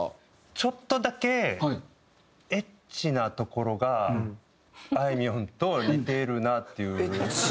ちょっとだけエッチなところがあいみょんと似てるなっていう。